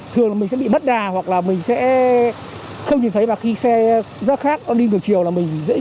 thường là mình sẽ bị bất đà hoặc là mình sẽ không nhìn thấy mà khi xe giác khác đi ngược chiều là mình dễ xảy ra vạch ạ